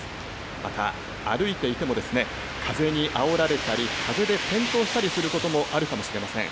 また、歩いていても、風にあおられたり、風で転倒したりすることもあるかもしれません。